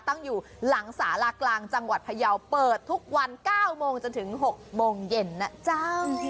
ตั้งอยู่หลังสารากลางจังหวัดพยาวเปิดทุกวัน๙โมงจนถึง๖โมงเย็นนะเจ้า